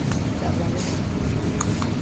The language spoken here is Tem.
Daabaade.